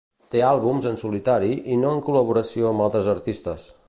Té àlbums en solitari i no en col·laboració amb altres artistes.